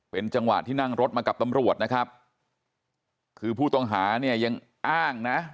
เป็นจังหวะที่นั่งรถมากับตำรวจนะครับคือผู้ต้องหาเนี่ยยังอ้างนะ